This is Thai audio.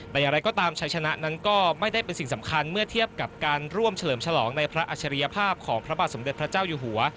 แต่อย่างไรก็ตามชัยชนะนั้นก็ไม่ได้เป็นสิ่งสำคัญเมื่อเทียบกับการร่วมเฉลิมฉลองในพระอัจฉริยภาพของพระบาทสมเด็จพระเจ้าอยู่หัว